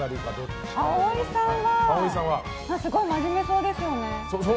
葵さんはすごい真面目そうですよね。